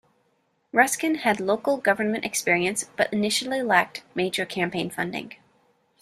Ruskin had local government experience but initially lacked major campaign funding.